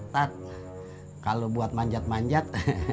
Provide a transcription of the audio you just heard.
tat kalau buat manjat manjat